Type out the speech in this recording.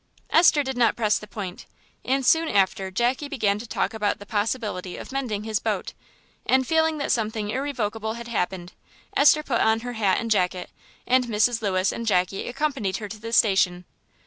Esther did not press the point, and soon after Jackie began to talk about the possibility of mending his boat; and feeling that something irrevocable had happened, Esther put on her hat and jacket, and Mrs. Lewis and Jackie accompanied her to the station.